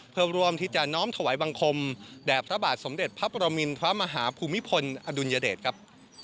เพื่อร่วมที่จะน้อมถวายบังคมแด่พระบาทสมเด็จพระปรมินทรมาฮาภูมิพลอดุลยเดชครับ